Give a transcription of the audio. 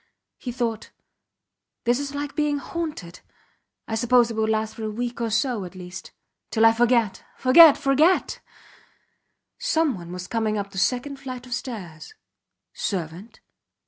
He thought: This is like being haunted I suppose it will last for a week or so, at least. Till I forget. Forget! Forget! Someone was coming up the second flight of stairs. Servant?